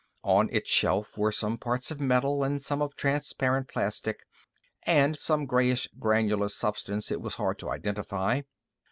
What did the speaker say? On its shelf were some parts of metal, and some of transparent plastic, and some grayish, granular substance it was hard to identify.